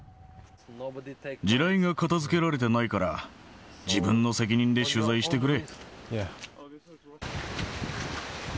地雷が片づけられてないから、自分の責任で取材してくれ。